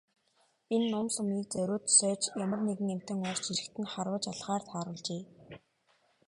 Энэ нум сумыг зориуд сойж ямар нэгэн амьтан орж ирэхэд нь харваж алахаар тааруулжээ.